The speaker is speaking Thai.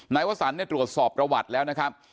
นายวสรรตรวจสอบประวัติแล้วนะครับ